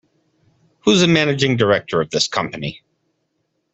Who's the managing director of this company?